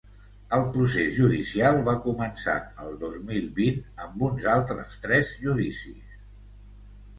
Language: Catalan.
El procés judicial va començar el dos mil vint amb uns altres tres judicis.